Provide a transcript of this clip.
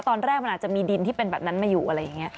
ตอนแรกมันอาจจะมีดินที่เป็นแบบนั้นมาอยู่อะไรอย่างนี้